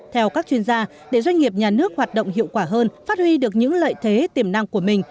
theo các chuyên gia để doanh nghiệp nhà nước hoạt động hiệu quả hơn phát huy được những lợi thế tiềm năng của mình